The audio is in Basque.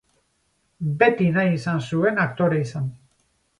Beti nahi izan zuen aktore izan.